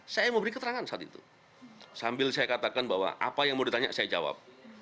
saya mau beri keterangan saat itu sambil saya katakan bahwa apa yang mau ditanya saya jawab